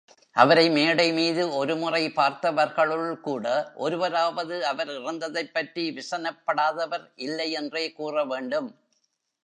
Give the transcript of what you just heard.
அவரை மேடைமீது ஒருமுறை பார்த்தவர்களுள் கூட ஒருவராவது அவர் இறந்ததைப் பற்றி விசனப்படாதவர் இல்லையென்றே கூற வேண்டும்.